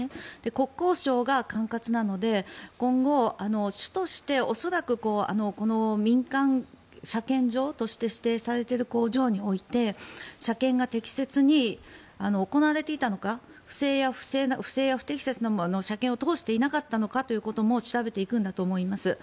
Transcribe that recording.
国交省が管轄なので今後、主として恐らくこの民間車検場として指定されている工場において車検が適切に行われていたのか不正や不適切なものを車検を通していなかったかを調べていくんだと思います。